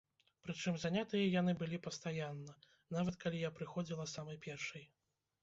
Прычым занятыя яны былі пастаянна, нават калі я прыходзіла самай першай.